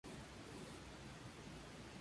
Algunas veces en Hermosillo o Tucson, Arizona.